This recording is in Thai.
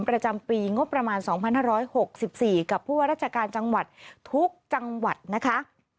ประจำปีงบประมาณ๒๕๖๔กับผู้ว่าราชการจังหวัดทุกจังหวัดนะคะ